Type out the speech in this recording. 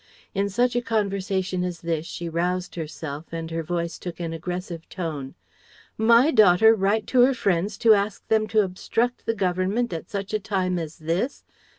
In such a conversation as this she roused herself and her voice took an aggressive tone. "My daughter write to her friends to ask them to obstruct the government at such a time as this?